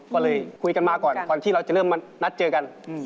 ก็เลยคุยกันมาก่อนก่อนที่เราจะเริ่มมานัดเจอกัน